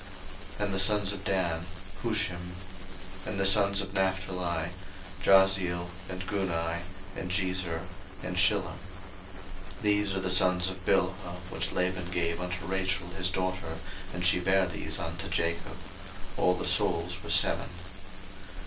01:046:023 And the sons of Dan; Hushim. 01:046:024 And the sons of Naphtali; Jahzeel, and Guni, and Jezer, and Shillem. 01:046:025 These are the sons of Bilhah, which Laban gave unto Rachel his daughter, and she bare these unto Jacob: all the souls were seven.